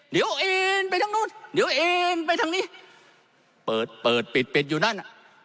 เดี๋ยวเองไปทางนู้นเดี๋ยวเองไปทางนี้เปิดเปิดปิดปิดอยู่นั่นอ่ะ